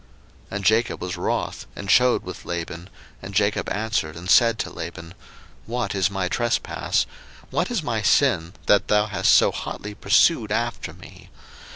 01:031:036 And Jacob was wroth, and chode with Laban: and Jacob answered and said to Laban, What is my trespass? what is my sin, that thou hast so hotly pursued after me?